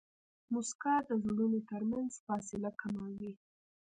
موسکا د زړونو ترمنځ فاصله کموي.